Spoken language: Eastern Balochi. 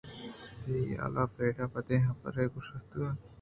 تئی حیالءَ فریڈا ءَ بدیں حبرے گوٛشتگ